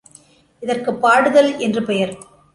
இதற்குப் பாடுதல் என்று பெயர்.